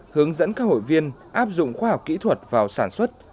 hướng dẫn các hội viên áp dụng khoa học kỹ thuật vào sản xuất